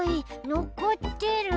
のこってる！